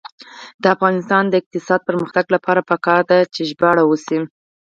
د افغانستان د اقتصادي پرمختګ لپاره پکار ده چې ژباړه وشي.